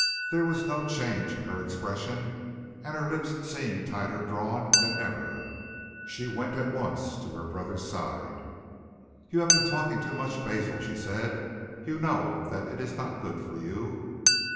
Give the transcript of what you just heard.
There was no change in her expression, and her lips seemed tighter drawn than ever. She went at once to her brother's side. "You have been talking too much, Basil," she said. "You know that it is not good for you."